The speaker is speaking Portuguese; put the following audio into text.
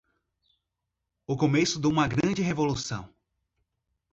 o começo duma grande revolução